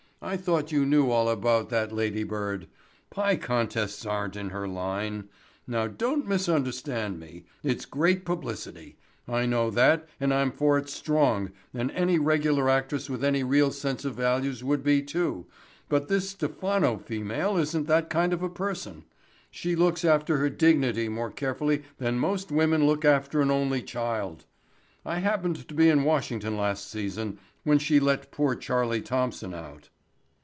"I thought you knew all about that ladybird. Pie contests aren't in her line. Now don't misunderstand me. It's great publicity. I know that and I'm for it strong and any regular actress with any real sense of values would be, too, but this Stephano female isn't that kind of a person. She looks after her dignity more carefully than most women look after an only child. I happened to be in Washington last season when she let poor Charlie Thompson out."